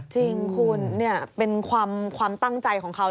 จริงคุณเป็นความตั้งใจของเขา